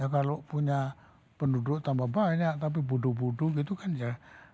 kalau punya penduduk tambah banyak tapi bodoh bodoh gitu kan ya